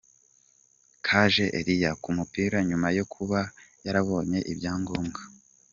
Kaje Elie ku mupira nyuma yo kuba yarabonye ibyangombwa .